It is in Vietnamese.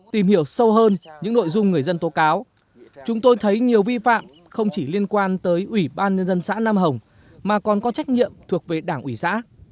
tìm hiểu sâu hơn những nội dung người dân tố cáo chúng tôi thấy nhiều vi phạm không chỉ liên quan tới ủy ban nhân dân xã nam hồng mà còn có trách nhiệm thuộc về đảng ủy xã